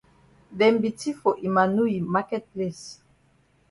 Dem be tif for Emmanu yi maket place.